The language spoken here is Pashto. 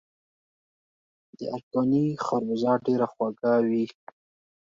د ارکاني خربوزه ډیره خوږه وي.